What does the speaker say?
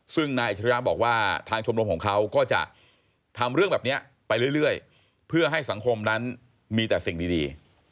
ซึ่งนายอัจฉริยะบอกว่าทางชมรมของเขาก็จะทำเรื่องแบบนี้ไปเรื่อยเพื่อให้สังคมนั้นมีแต่สิ่งดี